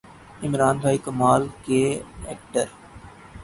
عمران بھائی کمال کے ایکڑ